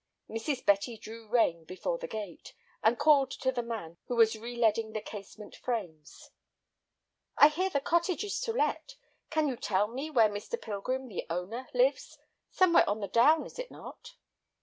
Mrs. Betty drew rein before the gate, and called to the man who was releading the casement frames. "I hear the cottage is to let. Can you tell me where Mr. Pilgrim, the owner, lives. Somewhere on the Down, is it not?"